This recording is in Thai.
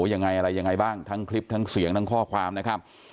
ยังไงอะไรยังไงบ้างทั้งคลิปทั้งเสียงทั้งข้อความนะครับ